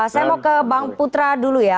saya mau ke bang putra dulu ya